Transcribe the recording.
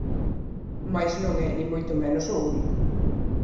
Mais non é, nin moito menos, o único.